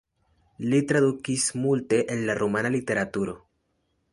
Li tradukis multe el la rumana literaturo.